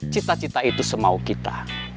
cita cita itu semau kita